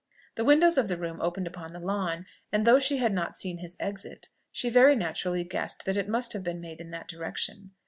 The windows of the room opened upon the lawn, and though she had not seen his exit, she very naturally guessed that it must have been made in that direction.